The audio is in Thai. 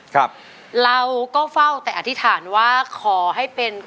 ครับเราก็เฝ้าแต่อธิษฐานว่าขอให้เป็น